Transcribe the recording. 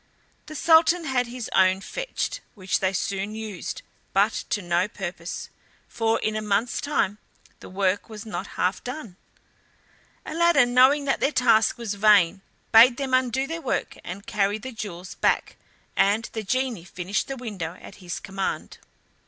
The Sultan had his own fetched, which they soon used, but to no purpose, for in a month's time the work was not half done. Aladdin knowing that their task was vain, bade them undo their work and carry the jewels back, and the genie finished the window at his command.